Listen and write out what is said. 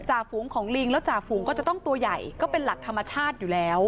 ฝูงของลิงแล้วจ่าฝูงก็จะต้องตัวใหญ่ก็เป็นหลักธรรมชาติอยู่แล้ว